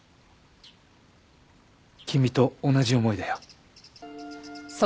君と同じ思いだよ。